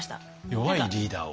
弱いリーダーを。